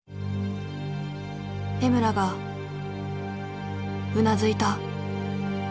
江村がうなずいた。